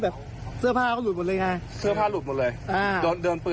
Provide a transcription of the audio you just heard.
คือเห็นไม่ถึงตรงตุ๊ดง่ายซิบมาตรงนี้